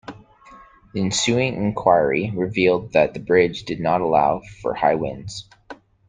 The ensuing enquiry revealed that the bridge did not allow for high winds.